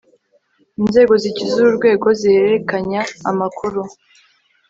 inzego zigize uru rwego zihererekanya amakuru